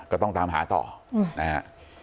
ก็ต้องตามหาต่อนะฮะ